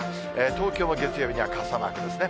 東京も月曜日には傘マークですね。